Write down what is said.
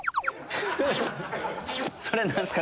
それ何すか？